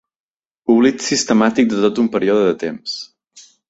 Oblit sistemàtic de tot un període de temps.